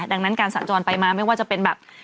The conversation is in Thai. ดังนั้นการสัญจรไปมาไม่ว่าจะเป็นแบบ